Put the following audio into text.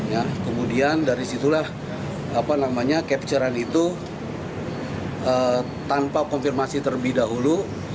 ya kemudian dari situlah capture an itu tanpa konfirmasi terlebih dahulu